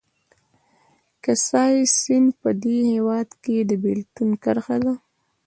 کاسای سیند په دې هېواد کې د بېلتون کرښه ده